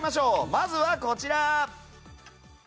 まずはこちら。